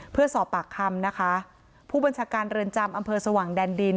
เพื่อสอบปากคำนะคะผู้บัญชาการเรือนจำอำเภอสว่างแดนดิน